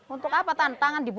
untuk apa tanah tangan